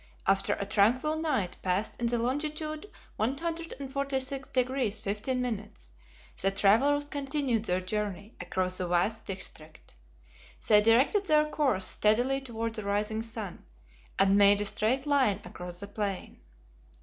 after a tranquil night passed in longitude 146 degrees 15", the travelers continued their journey across the vast district. They directed their course steadily toward the rising sun, and made a straight line across the plain.